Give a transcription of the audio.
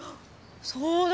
そうだ！